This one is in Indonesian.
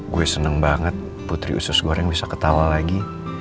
gue seneng banget putri usus goreng bisa ketawa lagi